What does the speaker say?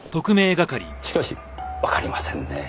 しかしわかりませんねぇ。